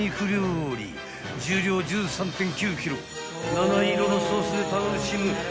［７色のソースで楽しむ］